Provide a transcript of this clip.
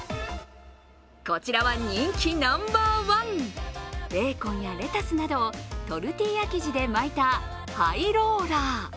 こちらは人気ナンバーワン、ベーコンやレタスなどをトルティーヤ生地で巻いたハイローラー。